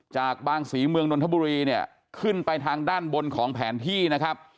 จากบางศรีเมืองนนทบุรีเนี่ยขึ้นไปทางด้านบนของแผนที่นะครับ